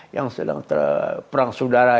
yang sedang terperang saudara